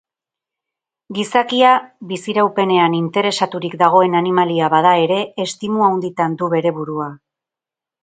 Gizakia biziraupenean interesaturik dagoen animalia bada ere, estimu handitan du bere burua.